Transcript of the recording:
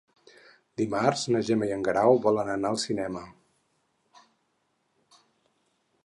Dimarts na Gemma i en Guerau volen anar al cinema.